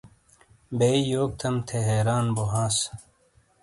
بے یوک تھم تھے حیران بو ہاس۔